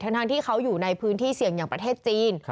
ทั้งที่เขาอยู่ในพื้นที่เสี่ยงอย่างประเทศจีน